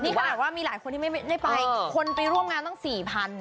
นี่คือหลายคนที่ไม่ได้ไปคนไปร่วมงานต้องสี่พัน